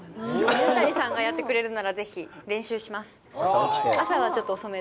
水谷さんがやってくれるなら、ぜひ、練習します。